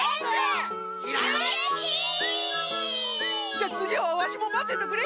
じゃあつぎはワシもまぜとくれ！